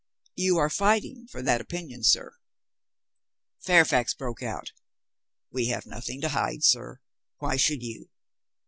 "You are fighting for that opinion, sir." Fairfax broke out. "We have nothing to hide, sir. Why should you?